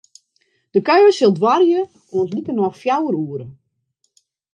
De kuier sil duorje oant likernôch fjouwer oere.